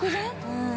うん。